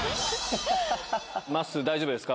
まっすー、大丈夫ですか？